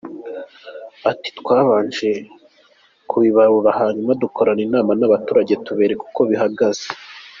Ati “Twabanje kubibarura hanyuma dukorana inama n’abaturage tubereka uko bihagaze.